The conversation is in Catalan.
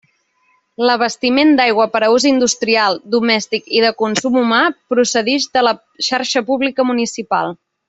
L'abastiment d'aigua per a ús industrial, domèstic i de consum humà procedix de la xarxa pública municipal.